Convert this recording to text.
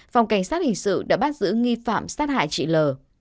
phòng cảnh sát hình sự đã bắt giữ nghi phạm sát hại chị l